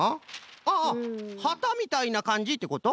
ああはたみたいなかんじってこと？